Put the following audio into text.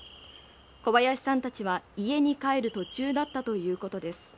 小林さんたちは家に帰る途中だったということです